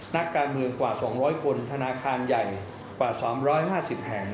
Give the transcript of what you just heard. นักการเมืองกว่า๒๐๐คนธนาคารใหญ่กว่า๓๕๐แห่ง